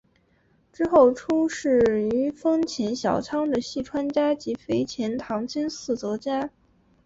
之后出仕于丰前小仓的细川家及肥前唐津寺泽家。